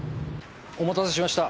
お待たせしました。